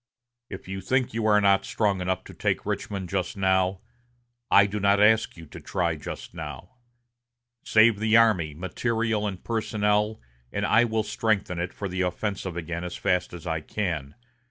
If you think you are not strong enough to take Richmond just now, I do not ask you to try just now. Save the army, material and personnel, and I will strengthen it for the offensive again as fast as I can.